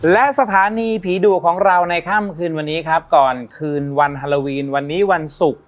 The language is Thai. และสถานีผีดุของเราในค่ำคืนวันนี้ครับก่อนคืนวันฮาโลวีนวันนี้วันศุกร์